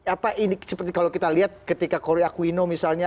apa ini seperti kalau kita lihat ketika korea aquino misalnya